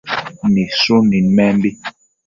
Nidshun nidmenbi